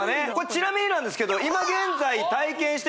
ちなみになんですけど今